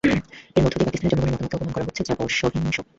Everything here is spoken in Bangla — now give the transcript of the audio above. এর মধ্য দিয়ে পাকিস্তানের জনগণের মতামতকে অপমান করা হচ্ছে, যা অসহনীয়।